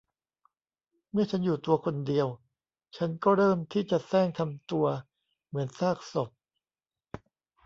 เมื่อฉันอยู่ตัวคนเดียว ฉันก็เริ่มที่จะแสร้งทำตัวเหมือนซากศพ